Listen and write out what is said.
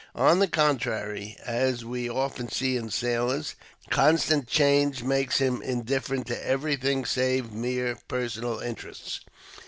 On the contrary, as we often see in sailors, constant change makes him indifferent to everything save mere personal interests.